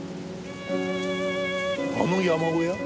あの山小屋？